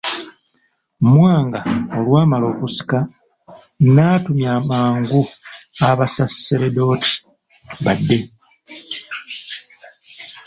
Mwanga olwamala okusika n'atumya mangu Abasaserdoti badde.